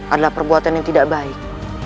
adalah perbuatan yang tidak baik